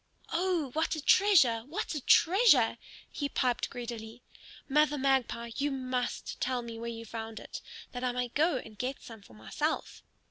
"Oh, what a treasure! What a treasure!" he piped greedily. "Mother Magpie, you must tell me where you found it, that I may go and get some for myself."